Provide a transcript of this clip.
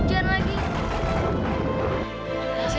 jepang lagi pergi ja